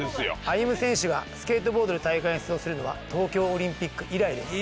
歩夢選手がスケートボードの大会に出場するのは東京オリンピック以来です。